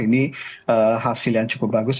ini hasil yang cukup bagus